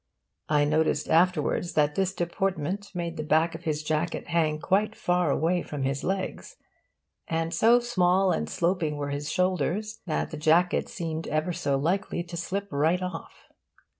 I noticed afterwards that this deportment made the back of his jacket hang quite far away from his legs; and so small and sloping were his shoulders that the jacket seemed ever so likely to slip right off.